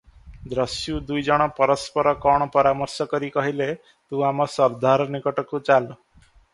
ଦସ୍ୟୁ ଦୁଇ ଜଣ ପରସ୍ପର କଣ ପରାମର୍ଶ କରି କହିଲେ, "ତୁ ଆମ ସର୍ଦ୍ଦାର ନିକଟକୁ ଚାଲ ।